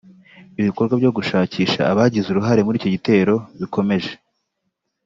ibikorwa byo gushakisha abagize uruhare muri icyo gitero bikomeje